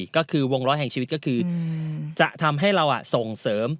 ก็คือวงร้อยแห่งชีวิตก็คือจะทำให้เราส่งเสริม